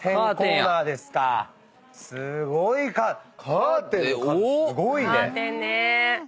すごいカーテンの数すごいね！